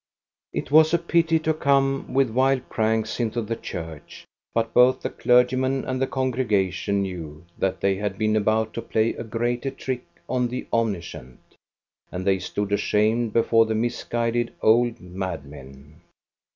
It was a pity to come with wild pranks into the church; but both the clergyman and the congrega tion knew that they had been about to play a greater trick on the Omniscient. And they stood ashamed before the misguided old madmen.